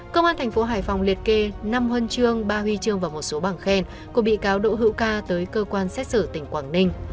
công an thành phố hải phòng liệt kê năm hân trương ba huy trương và một số bảng khen của bị cáo đỗ hiệu ca tới cơ quan xét xử tỉnh quảng ninh